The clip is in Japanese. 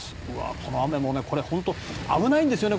この雨も、これ本当に危ないんですよね